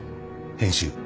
編集。